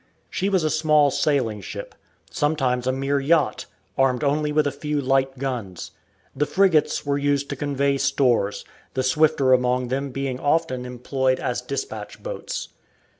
She was a small sailing ship, sometimes a mere yacht, armed only with a few light guns. The frigates were used to convey stores, the swifter among them being often employed as dispatch boats.